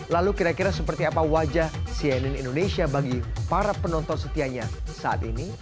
lalu kira kira seperti apa wajah cnn indonesia bagi para penonton setianya saat ini